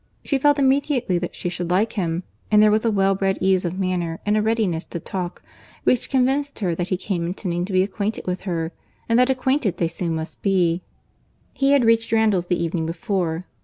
She felt immediately that she should like him; and there was a well bred ease of manner, and a readiness to talk, which convinced her that he came intending to be acquainted with her, and that acquainted they soon must be. He had reached Randalls the evening before.